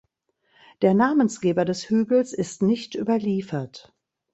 Der Namensgeber des Hügels ist nicht überliefert.